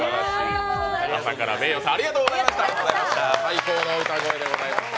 朝からｍｅｉｙｏさん、ありがとうございました。